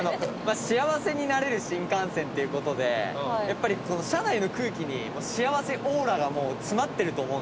幸せになれる新幹線という事でやっぱりこの車内の空気に幸せオーラがもう詰まってると思うんですよ。